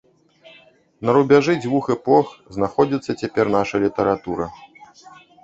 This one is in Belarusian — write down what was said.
На рубяжы дзвюх эпох знаходзіцца цяпер наша літаратура.